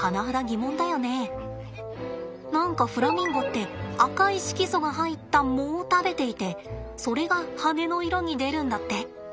何かフラミンゴって赤い色素が入った藻を食べていてそれが羽の色に出るんだって。